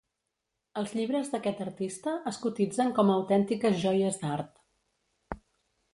Els llibres d'aquest artista es cotitzen com a autèntiques joies d'art.